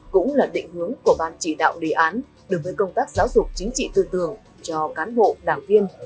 cũng là định hướng của ban chỉ đạo đề án đối với công tác giáo dục chính trị tư tường cho cán bộ đảng viên